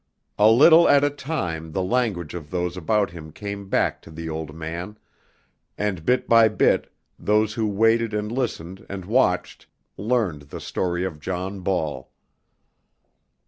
A little at a time the language of those about him came back to the old man, and bit by bit those who waited and listened and watched learned the story of John Ball.